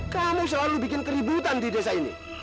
kamu selalu bikin keributan di desa ini